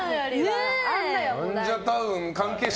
ナンジャタウン関係者